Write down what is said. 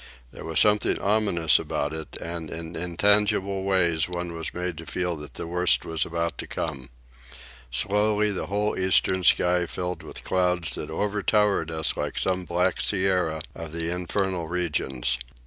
There was something ominous about it, and in intangible ways one was made to feel that the worst was about to come. Slowly the whole eastern sky filled with clouds that over towered us like some black sierra of the infernal regions.